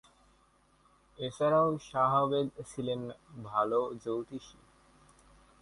এছাড়া সহদেব ছিলেন ভাল জ্যোতিষী।